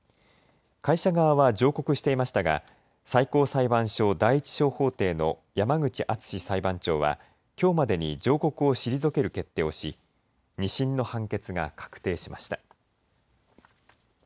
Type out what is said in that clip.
会社側は上告していましたが最高裁判所第１小法廷の山口厚裁判長はきょうまでに上告を退ける決定をし２審の判決が確定しました。